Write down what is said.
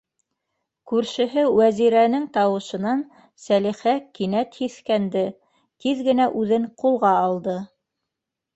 Күршеһе Вәзирәнең тауышынан Сәлихә кинәт һиҫкәнде. Тиҙ генә үҙен ҡулға алды.